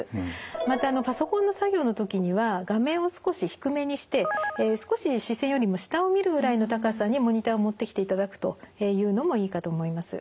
またパソコンの作業の時には画面を少し低めにして少し視線よりも下を見るぐらいの高さにモニターを持ってきていただくというのもいいかと思います。